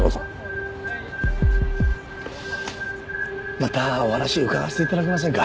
またお話伺わせて頂けませんか？